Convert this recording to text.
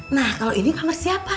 nah kalau ini nomor siapa